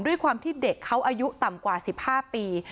ด้วยความที่เด็กเขาอายุต่ำกว่า๑๕ปี